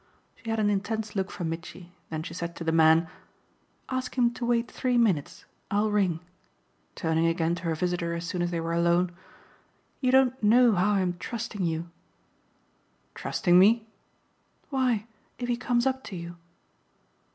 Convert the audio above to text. She had an intense look for Mitchy; then she said to the man: "Ask him to wait three minutes I'll ring;" turning again to her visitor as soon as they were alone. "You don't know how I'm trusting you!" "Trusting me?" "Why, if he comes up to you."